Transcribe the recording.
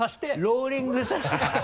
ローリングさせて